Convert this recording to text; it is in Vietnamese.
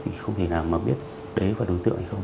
thì không thể nào mà biết đấy là đối tượng hay không